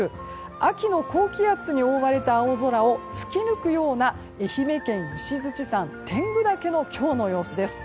秋の高気圧に覆われた青空を突き抜くような愛媛県石鎚山天狗岳の今日の様子です。